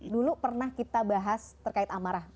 dulu pernah kita bahas terkait amarah